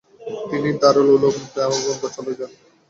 তিনি দারুল উলুম দেওবন্দ চলে যান।